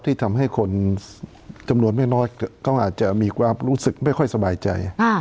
ที่ทำให้คนจำนวนไม่น้อยเขาอาจจะมีความรู้สึกไม่ค่อยสบายใจ